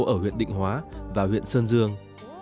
ở huyện định hóa và huyện sơn dương